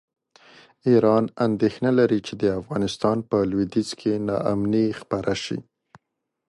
ایران اندېښنه لري چې د افغانستان په لویدیځ کې ناامني خپره شي.